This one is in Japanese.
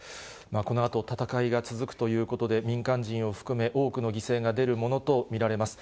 このあと戦いが続くということで、民間人を含め、多くの犠牲が出るものと見られます。